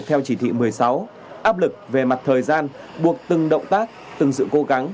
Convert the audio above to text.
theo chỉ thị một mươi sáu áp lực về mặt thời gian buộc từng động tác từng sự cố gắng